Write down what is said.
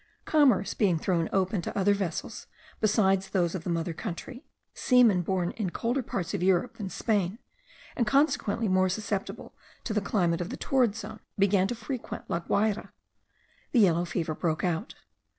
Commerce being thrown open to other vessels besides those of the mother country, seamen born in colder parts of Europe than Spain, and consequently more susceptible to the climate of the torrid zone, began to frequent La Guayra. The yellow fever broke out.